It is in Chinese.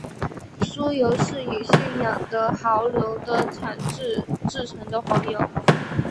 酥油是以驯养的牦牛的产乳制成的黄油。